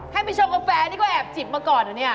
ให้ไปชงกาแฟนี่ก็แอบจิบมาก่อนเหรอเนี่ย